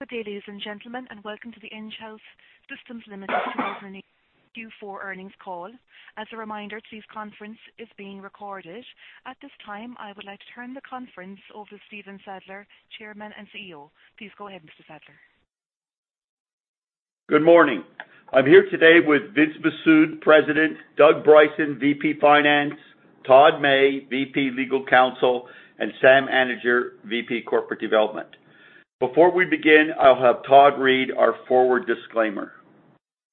Good day, ladies and gentlemen, and welcome to the Enghouse Systems Limited 2018 Q4 earnings call. As a reminder, today's conference is being recorded. At this time, I would like to turn the conference over to Stephen Sadler, Chairman and CEO. Please go ahead, Mr. Sadler. Good morning. I'm here today with Vince Mifsud, President, Doug Bryson, VP Finance, Todd May, VP, Legal Counsel, and Sam Anidjar, VP, Corporate Development. Before we begin, I'll have Todd read our forward disclaimer.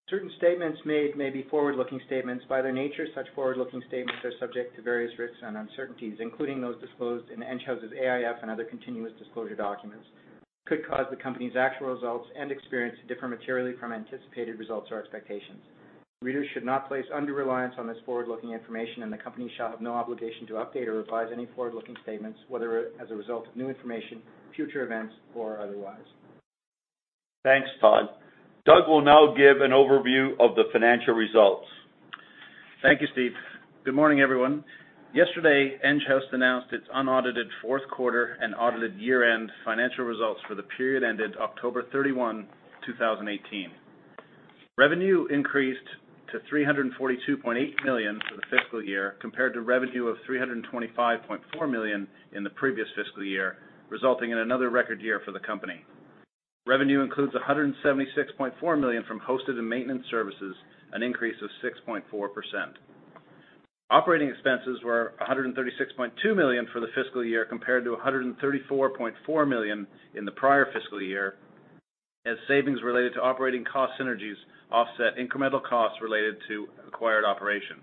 Certain statements made may be forward-looking statements. By their nature, such forward-looking statements are subject to various risks and uncertainties, including those disclosed in Enghouse's AIF and other continuous disclosure documents, could cause the company's actual results and experience to differ materially from anticipated results or expectations. Readers should not place undue reliance on this forward-looking information, the company shall have no obligation to update or revise any forward-looking statements, whether as a result of new information, future events, or otherwise. Thanks, Todd. Doug will now give an overview of the financial results. Thank you, Steve. Good morning, everyone. Yesterday, Enghouse announced its unaudited fourth quarter and audited year-end financial results for the period ended October 31, 2018. Revenue increased to 342.8 million for the fiscal year compared to revenue of 325.4 million in the previous fiscal year, resulting in another record year for the company. Revenue includes 176.4 million from hosted and maintenance services, an increase of 6.4%. Operating expenses were 136.2 million for the fiscal year compared to 134.4 million in the prior fiscal year, as savings related to operating cost synergies offset incremental costs related to acquired operations.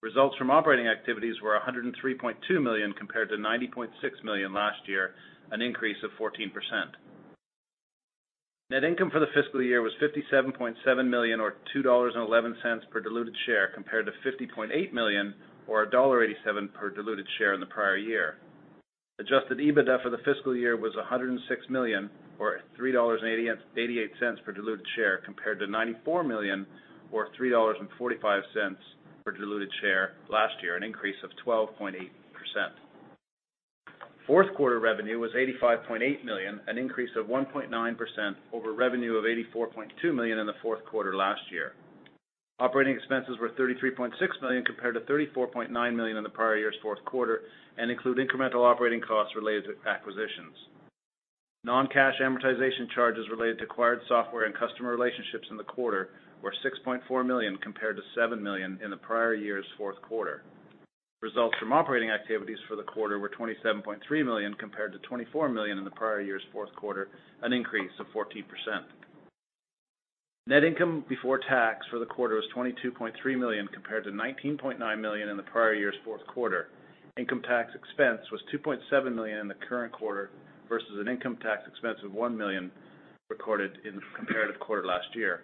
Results from operating activities were 103.2 million compared to 90.6 million last year, an increase of 14%. Net income for the fiscal year was 57.7 million, or 2.11 dollars per diluted share, compared to 50.8 million or dollar 1.87 per diluted share in the prior year. Adjusted EBITDA for the fiscal year was 106 million, or 3.88 dollars per diluted share, compared to 94 million or 3.45 dollars per diluted share last year, an increase of 12.8%. Fourth quarter revenue was 85.8 million, an increase of 1.9% over revenue of 84.2 million in the fourth quarter last year. Operating expenses were 33.6 million compared to 34.9 million in the prior year's fourth quarter and include incremental operating costs related to acquisitions. Non-cash amortization charges related to acquired software and customer relationships in the quarter were 6.4 million compared to 7 million in the prior year's fourth quarter. Results from operating activities for the quarter were 27.3 million compared to 24 million in the prior year's fourth quarter, an increase of 14%. Net income before tax for the quarter was 22.3 million compared to 19.9 million in the prior year's fourth quarter. Income tax expense was 2.7 million in the current quarter versus an income tax expense of 1 million recorded in the comparative quarter last year.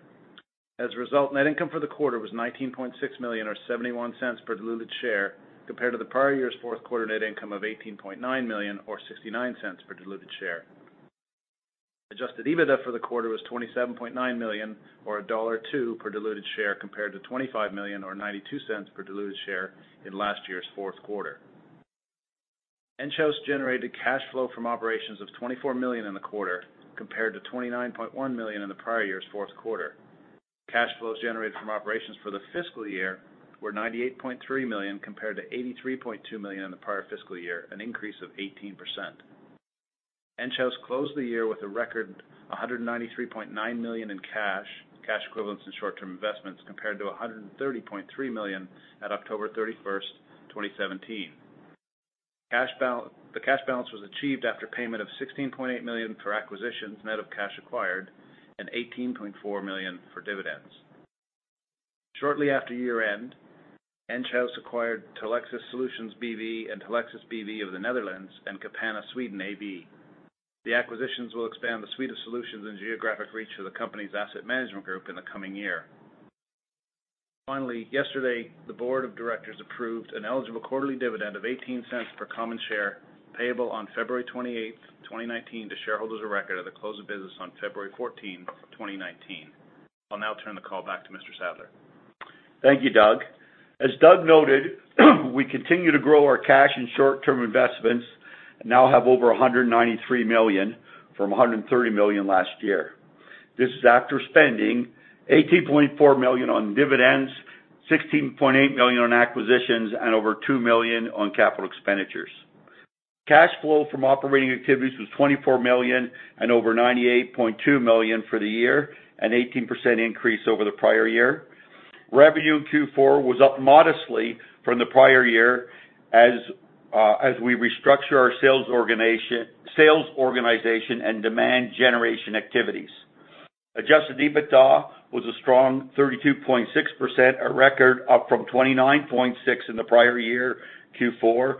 As a result, net income for the quarter was 19.6 million, or 0.71 per diluted share, compared to the prior year's fourth quarter net income of 18.9 million or 0.69 per diluted share. Adjusted EBITDA for the quarter was 27.9 million, or dollar 1.02 per diluted share, compared to 25 million or 0.92 per diluted share in last year's fourth quarter. Enghouse generated cash flow from operations of 24 million in the quarter, compared to 29.1 million in the prior year's fourth quarter. Cash flows generated from operations for the fiscal year were 98.3 million compared to 83.2 million in the prior fiscal year, an increase of 18%. Enghouse closed the year with a record 193.9 million in cash equivalents, and short-term investments, compared to 130.3 million at October 31st, 2017. The cash balance was achieved after payment of 16.8 million for acquisitions net of cash acquired and 18.4 million for dividends. Shortly after year-end, Enghouse acquired Telexis Solutions B.V. and Telexis B.V. of the Netherlands and Capana Sweden AB. The acquisitions will expand the suite of solutions and geographic reach of the company's Asset Management Group in the coming year. Finally, yesterday, the board of directors approved an eligible quarterly dividend of 0.18 per common share, payable on February 28, 2019, to shareholders of record at the close of business on February 14, 2019. I'll now turn the call back to Mr. Sadler. Thank you, Doug. As Doug noted, we continue to grow our cash and short-term investments and now have over 193 million from 130 million last year. This is after spending 18.4 million on dividends, 16.8 million on acquisitions, and over 2 million on capital expenditures. Cash flow from operating activities was 24 million and over 98.3 million for the year, an 18% increase over the prior year. Revenue in Q4 was up modestly from the prior year as we restructure our sales organization and demand generation activities. Adjusted EBITDA was a strong 32.6%, a record up from 29.6% in the prior year Q4, and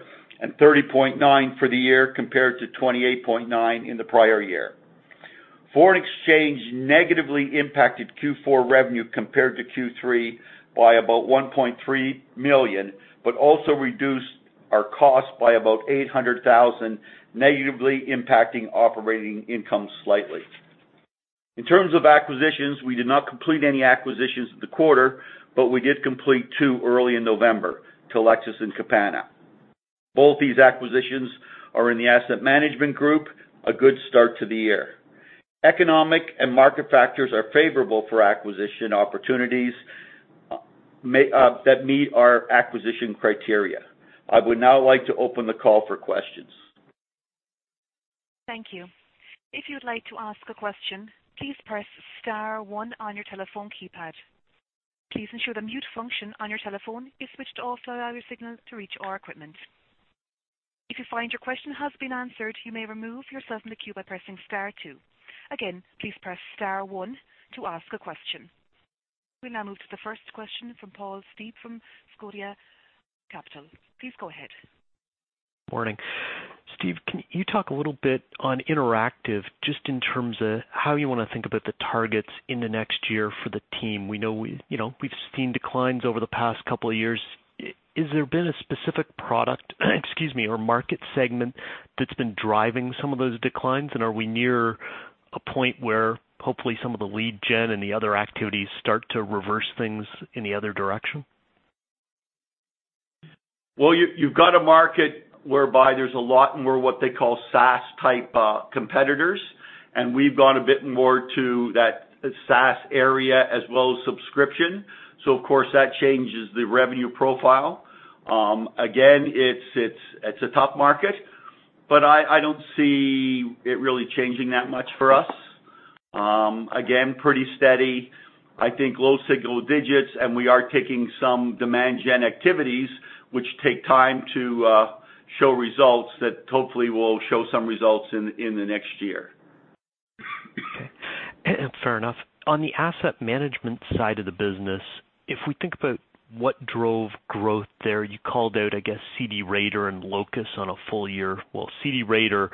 30.9% for the year compared to 28.9% in the prior year. Foreign exchange negatively impacted Q4 revenue compared to Q3 by about 1.3 million, also reduced our cost by about 800,000, negatively impacting operating income slightly. In terms of acquisitions, we did not complete any acquisitions in the quarter, we did complete two early in November, Telexis and Capana. Both these acquisitions are in the Asset Management Group, a good start to the year. Economic and market factors are favorable for acquisition opportunities that meet our acquisition criteria. I would now like to open the call for questions. Thank you. If you'd like to ask a question, please press star one on your telephone keypad. Please ensure the mute function on your telephone is switched off to allow your signal to reach our equipment. If you find your question has been answered, you may remove yourself from the queue by pressing star two. Again, please press star one to ask a question. We now move to the first question from Paul Steep from Scotia Capital. Please go ahead. Morning. Steve, can you talk a little bit on Interactive just in terms of how you want to think about the targets in the next year for the team? We've seen declines over the past couple of years. Has there been a specific product or market segment that's been driving some of those declines? Are we near a point where hopefully some of the lead gen and the other activities start to reverse things in the other direction? Well, you've got a market whereby there's a lot more what they call SaaS type competitors, and we've gone a bit more to that SaaS area as well as subscription. Of course, that changes the revenue profile. Again, it's a tough market, I don't see it really changing that much for us. Again, pretty steady, I think low single digits, and we are taking some demand gen activities, which take time to show results, that hopefully will show some results in the next year. Fair enough. On the Asset Management side of the business, if we think about what drove growth there, you called out, I guess, CDRator and Locus on a full year. Well, CDRator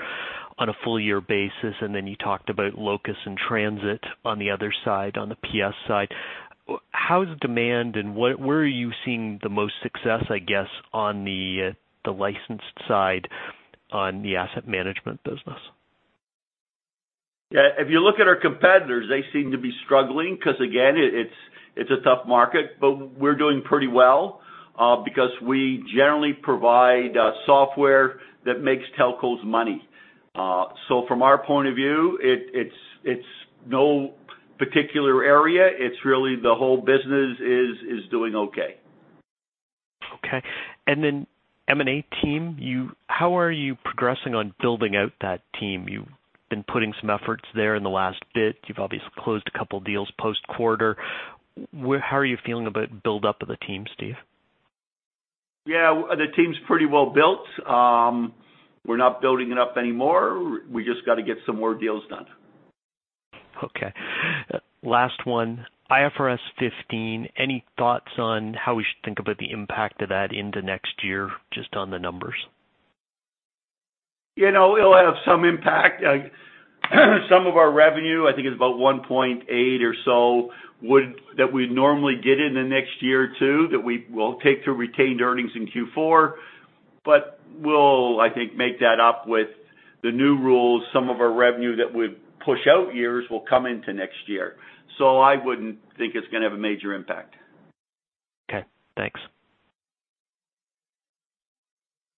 on a full year basis, you talked about Locus and Transit on the other side, on the PS side. How's demand and where are you seeing the most success, I guess, on the licensed side on the Asset Management business? If you look at our competitors, they seem to be struggling because, again, it's a tough market. We're doing pretty well because we generally provide software that makes telcos money. From our point of view, it's no particular area. It's really the whole business is doing okay. Okay. M&A team, how are you progressing on building out that team? You've been putting some efforts there in the last bit. You've obviously closed a couple deals post-quarter. How are you feeling about buildup of the team, Steve? Yeah, the team's pretty well-built. We're not building it up anymore. We just got to get some more deals done. Okay. Last one. IFRS 15, any thoughts on how we should think about the impact of that into next year, just on the numbers? It'll have some impact. Some of our revenue, I think it's about 1.8 or so, that we'd normally get in the next year or two that we will take to retained earnings in Q4, but we'll, I think, make that up with the new rules. Some of our revenue that would push out years will come into next year. I wouldn't think it's going to have a major impact. Okay, thanks.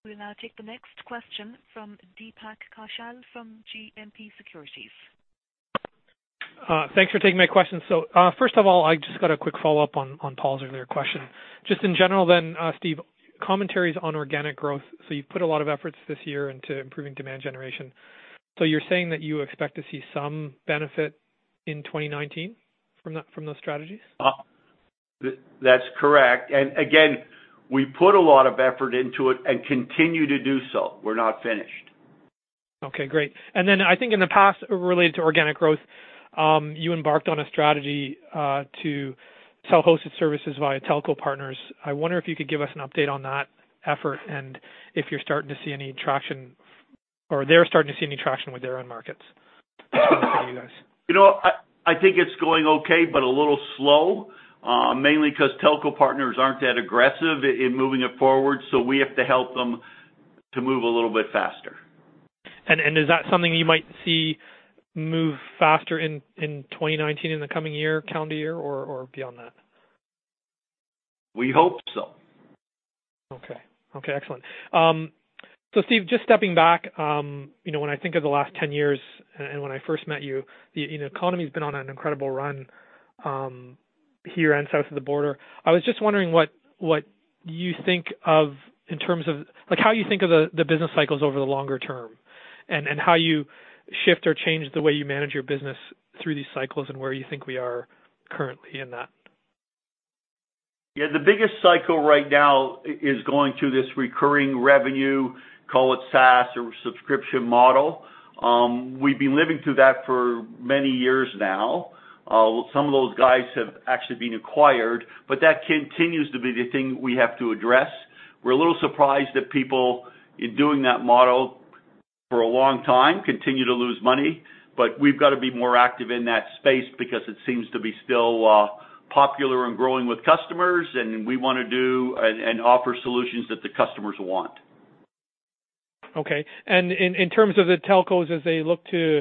We'll now take the next question from Deepak Kaushal from GMP Securities. Thanks for taking my question. First of all, I just got a quick follow-up on Paul's earlier question. Just in general then, Steve, commentaries on organic growth. You've put a lot of efforts this year into improving demand generation. You're saying that you expect to see some benefit in 2019 from those strategies? That's correct. Again, we put a lot of effort into it and continue to do so. We're not finished. Okay, great. Then I think in the past, related to organic growth, you embarked on a strategy to sell hosted services via telco partners. I wonder if you could give us an update on that effort and if you're starting to see any traction or they're starting to see any traction with their own markets, for you guys. I think it's going okay, a little slow, mainly because telco partners aren't that aggressive in moving it forward, we have to help them to move a little bit faster. Is that something you might see move faster in 2019, in the coming year, calendar year, or beyond that? We hope so. Okay. Excellent. Steve, just stepping back, when I think of the last 10 years and when I first met you, the economy's been on an incredible run here and south of the border. I was just wondering how you think of the business cycles over the longer term, and how you shift or change the way you manage your business through these cycles, and where you think we are currently in that. Yeah, the biggest cycle right now is going through this recurring revenue, call it SaaS or subscription model. We've been living through that for many years now. Some of those guys have actually been acquired, that continues to be the thing we have to address. We're a little surprised that people, in doing that model for a long time, continue to lose money. We've got to be more active in that space because it seems to be still popular and growing with customers, and we want to do and offer solutions that the customers want. Okay. In terms of the telcos, as they look to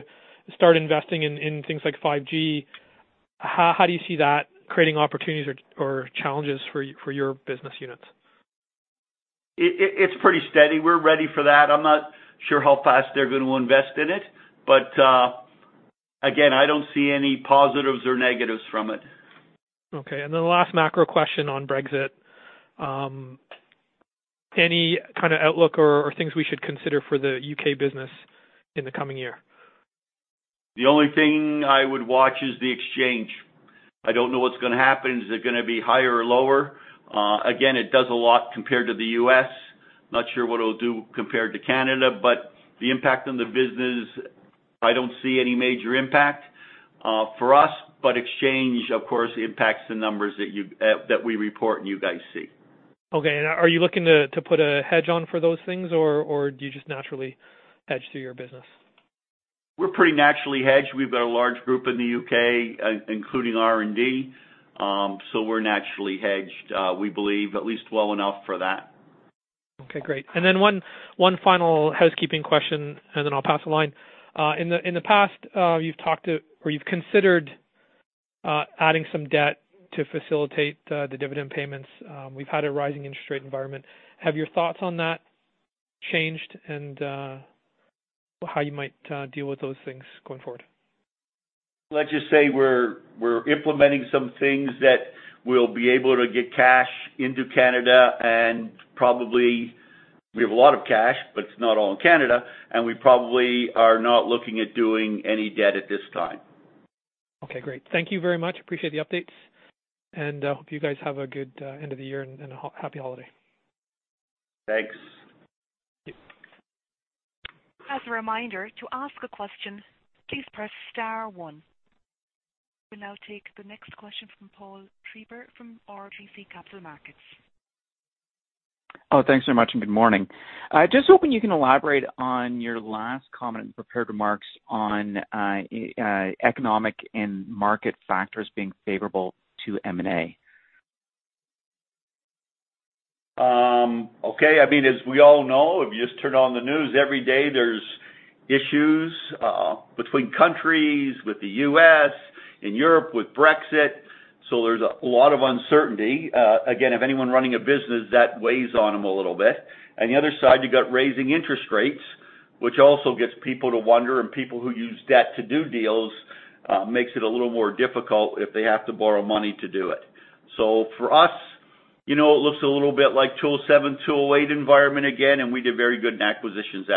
start investing in things like 5G, how do you see that creating opportunities or challenges for your business units? It's pretty steady. We're ready for that. I'm not sure how fast they're going to invest in it, but again, I don't see any positives or negatives from it. Okay. The last macro question on Brexit. Any kind of outlook or things we should consider for the U.K. business in the coming year? The only thing I would watch is the exchange. I don't know what's going to happen. Is it going to be higher or lower? It does a lot compared to the U.S. Not sure what it'll do compared to Canada, the impact on the business, I don't see any major impact for us. Exchange, of course, impacts the numbers that we report and you guys see. Okay. Are you looking to put a hedge on for those things, or do you just naturally hedge through your business? We're pretty naturally hedged. We've got a large group in the U.K., including R&D. We're naturally hedged, we believe at least well enough for that. Okay, great. One final housekeeping question, and then I'll pass the line. In the past, you've talked or you've considered adding some debt to facilitate the dividend payments. We've had a rising interest rate environment. Have your thoughts on that changed and how you might deal with those things going forward? Let's just say we're implementing some things that will be able to get cash into Canada. Probably we have a lot of cash, it's not all in Canada, we probably are not looking at doing any debt at this time. Okay, great. Thank you very much. Appreciate the updates. Hope you guys have a good end of the year and a happy holiday. Thanks. Thank you. As a reminder, to ask a question, please press star one. We'll now take the next question from Paul Treiber from RBC Capital Markets. Oh, thanks very much, and good morning. Just hoping you can elaborate on your last comment in prepared remarks on economic and market factors being favorable to M&A. Okay. As we all know, if you just turn on the news every day, there's issues between countries, with the U.S., in Europe with Brexit. There's a lot of uncertainty. Again, if anyone running a business, that weighs on them a little bit. On the other side, you got raising interest rates, which also gets people to wonder, and people who use debt to do deals makes it a little more difficult if they have to borrow money to do it. For us, it looks a little bit like 2007, 2008 environment again, and we did very good in acquisitions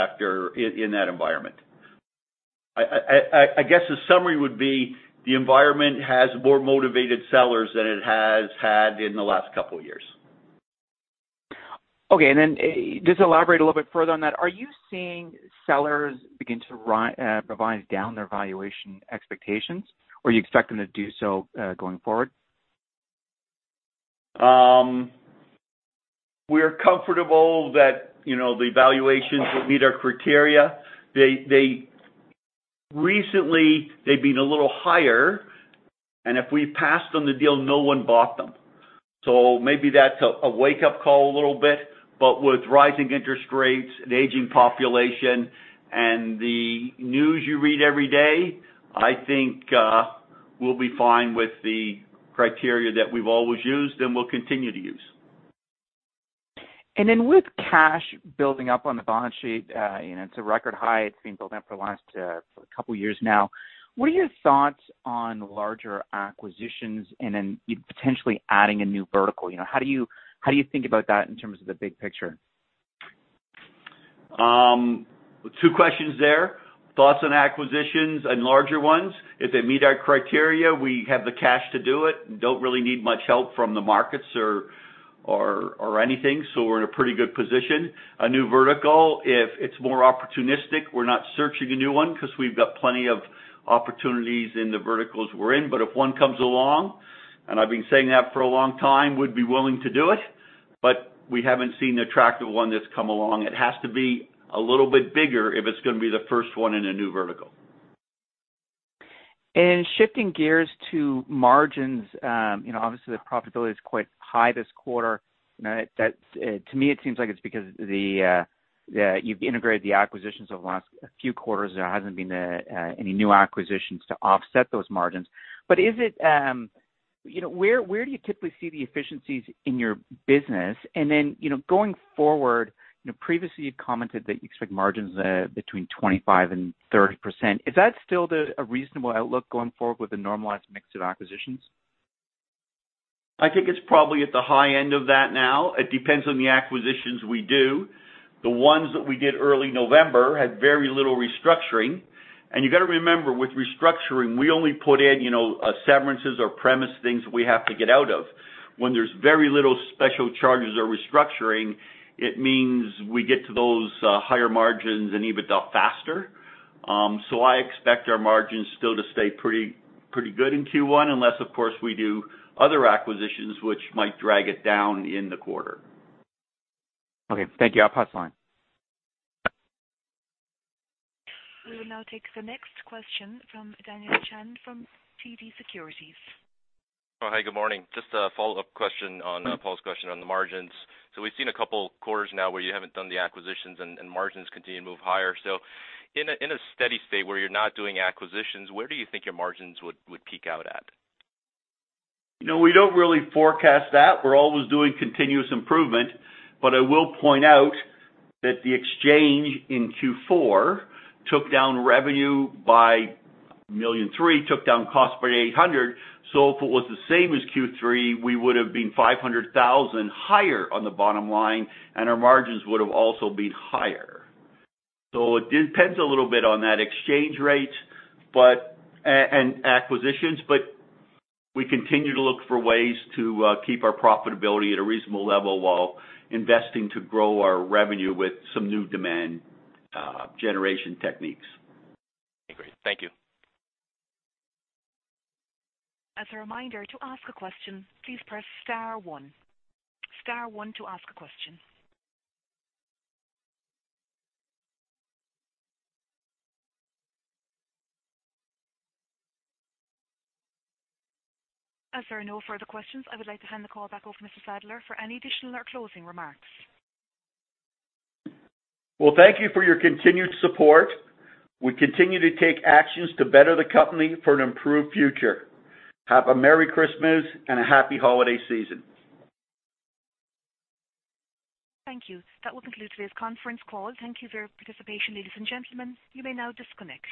in that environment. I guess the summary would be the environment has more motivated sellers than it has had in the last couple of years. Okay. Just elaborate a little bit further on that. Are you seeing sellers begin to revise down their valuation expectations, or you expect them to do so going forward? We're comfortable that the valuations will meet our criteria. Recently, they've been a little higher, and if we passed on the deal, no one bought them. Maybe that's a wake-up call a little bit, but with rising interest rates, an aging population, and the news you read every day, I think we'll be fine with the criteria that we've always used and will continue to use. With cash building up on the balance sheet, it's a record high. It's been building up for the last couple of years now. What are your thoughts on larger acquisitions and then potentially adding a new vertical? How do you think about that in terms of the big picture? Two questions there. Thoughts on acquisitions and larger ones. If they meet our criteria, we have the cash to do it and don't really need much help from the markets or anything. We're in a pretty good position. A new vertical, if it's more opportunistic, we're not searching a new one because we've got plenty of opportunities in the verticals we're in. If one comes along, and I've been saying that for a long time, we'd be willing to do it, but we haven't seen an attractive one that's come along. It has to be a little bit bigger if it's going to be the first one in a new vertical. Shifting gears to margins. Obviously, the profitability is quite high this quarter. To me, it seems like it's because you've integrated the acquisitions over the last few quarters. There hasn't been any new acquisitions to offset those margins. Where do you typically see the efficiencies in your business? Going forward, previously you commented that you expect margins between 25%-30%. Is that still a reasonable outlook going forward with a normalized mix of acquisitions? I think it's probably at the high end of that now. It depends on the acquisitions we do. The ones that we did early November had very little restructuring. You got to remember, with restructuring, we only put in severances or premise things that we have to get out of. When there's very little special charges or restructuring, it means we get to those higher margins and EBITDA faster. I expect our margins still to stay pretty good in Q1, unless, of course, we do other acquisitions which might drag it down in the quarter. Okay. Thank you. I'll pass the line. We will now take the next question from Daniel Chan from TD Securities. Hi, good morning. Just a follow-up question on Paul's question on the margins. We've seen a couple quarters now where you haven't done the acquisitions and margins continue to move higher. In a steady state where you're not doing acquisitions, where do you think your margins would peak out at? We don't really forecast that. We're always doing continuous improvement. I will point out that the exchange in Q4 took down revenue by 1.3 million, took down cost by 800,000. If it was the same as Q3, we would have been 500,000 higher on the bottom line, and our margins would have also been higher. It depends a little bit on that exchange rate and acquisitions, but we continue to look for ways to keep our profitability at a reasonable level while investing to grow our revenue with some new demand generation techniques. Great. Thank you. As a reminder, to ask a question, please press star one. Star one to ask a question. As there are no further questions, I would like to hand the call back over to Mr. Sadler for any additional or closing remarks. Well, thank you for your continued support. We continue to take actions to better the company for an improved future. Have a Merry Christmas and a happy holiday season. Thank you. That will conclude today's conference call. Thank you for your participation, ladies and gentlemen. You may now disconnect.